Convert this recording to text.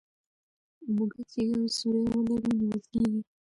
موږک چي یو سوری ولري نیول کېږي.